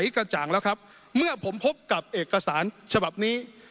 กระจ่างแล้วครับเมื่อผมพบกับเอกสารฉบับนี้